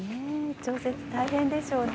調節、大変でしょうね。